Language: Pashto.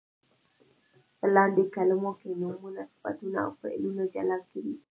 په لاندې کلمو کې نومونه، صفتونه او فعلونه جلا کړئ.